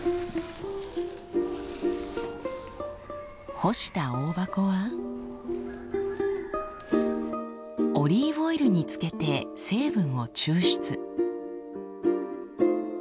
干したオオバコはオリーブオイルに漬けて成分を抽出。